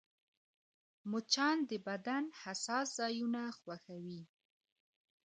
مچان د بدن حساس ځایونه خوښوي